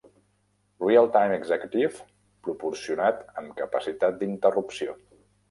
"Real Time Executive" proporcionat amb capacitat d'interrupció.